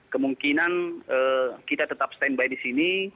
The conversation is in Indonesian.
kemungkinan kita tetap stand by di sini